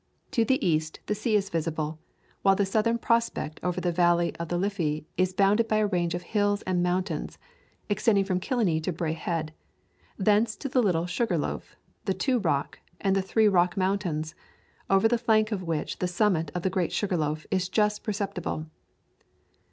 To the east the sea is visible, while the southern prospect over the valley of the Liffey is bounded by a range of hills and mountains extending from Killiney to Bray Head, thence to the little Sugar Loaf, the Two Rock and the Three Rock Mountains, over the flank of which the summit of the Great Sugar Loaf is just perceptible.